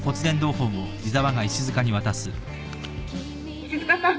石塚さん。